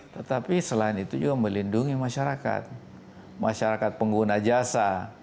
tetapi selain itu juga melindungi masyarakat masyarakat pengguna jasa